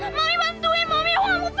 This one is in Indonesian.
mami bantuin mami